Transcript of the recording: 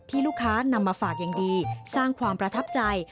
ลูกค้านำมาฝากอย่างดีสร้างความประทับใจ